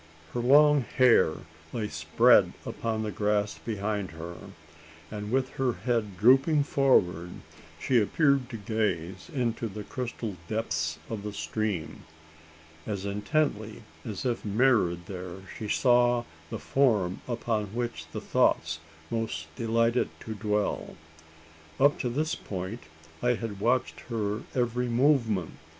Her long hair lay spread upon the grass behind her; and with her head drooping forward, she appeared to gaze into the crystal depths of the stream as intently, as if mirrored there she saw the form upon which the thoughts most delighted to dwell. Up to this point, I had watched her every movement.